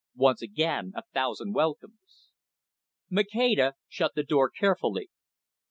Once again, a thousand welcomes." Maceda shut the door carefully.